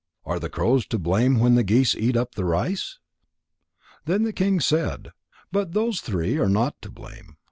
Are the crows to blame when the geese eat up the rice?" Then the king said: "But those three are not to blame.